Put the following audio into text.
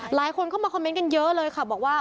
หลายคนเข้ามาคอมเมนต์กันเยอะเลยค่ะบอกว่า